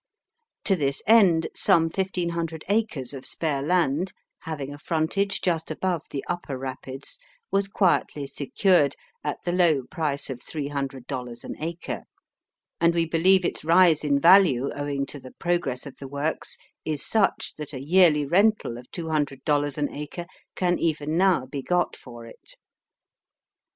To this end some fifteen hundred acres of spare land, having a frontage just above the upper rapids, was quietly secured at the low price of three hundred dollars an acre; and we believe its rise in value owing to the progress of the works is such that a yearly rental of two hundred dollars an acre can even now be got for it.